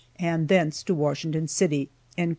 ] and thence to Washington City." (Id.